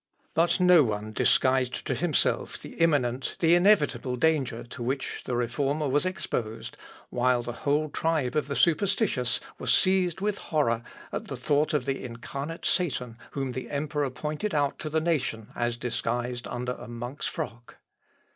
But no one disguised to himself the imminent, the inevitable danger to which the Reformer was exposed, while the whole tribe of the superstitious were seized with horror at the thought of the incarnate Satan whom the emperor pointed out to the nation as disguised under a monk's frock.